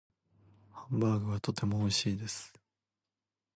ハンバーグはとても美味しいです。